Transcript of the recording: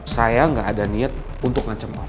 saya gak ada niat untuk ngancem om